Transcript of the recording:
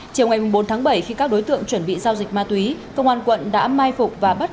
chiều ngày bốn tháng bảy khi các đối tượng chuẩn bị giao dịch ma túy công an quận đã mai phục và bắt